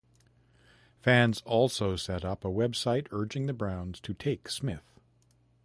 Fans also set up a website urging the Browns to take Smith.